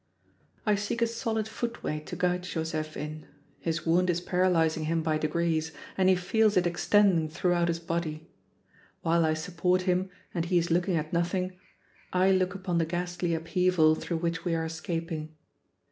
I seek a solid footway to guide Joseph in his wound is paralyzing him by degrees, and he feels it extending throughout his body. While I support him, and he is looking at nothing, I look upon the ghastly upheaval through which we are escaping.